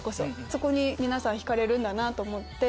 そこに皆さん引かれるんだなぁと思って。